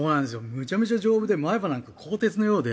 めちゃめちゃ丈夫で前歯なんか鋼鉄のようで。